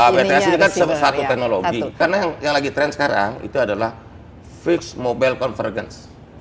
bts ini kan satu teknologi karena yang lagi trend sekarang itu adalah fixed mobile confergence